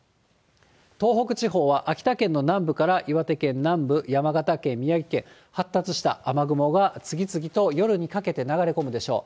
東北地方は秋田県の南部から岩手県南部、山形県、宮城県、発達した雨雲が次々と夜にかけて流れ込むでしょう。